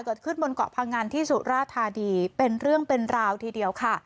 เกิดขึ้นบนเกาะพังอันที่สุราธานีเป็นเรื่องเป็นราวทีเดียวค่ะ